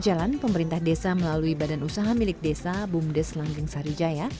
di jalan pemerintah desa melalui badan usaha milik desa bumdes langking sari jaya